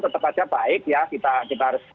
tetap saja baik ya kita harus